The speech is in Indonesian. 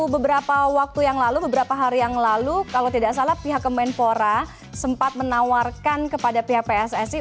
beberapa hari yang lalu kalau tidak salah pihak kemenpora sempat menawarkan kepada pihak pssi